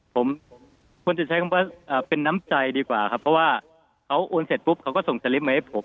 ผมควรจะใช้คำว่าเป็นน้ำใจดีกว่าครับเพราะว่าเขาโอนเสร็จปุ๊บเขาก็ส่งสลิปมาให้ผม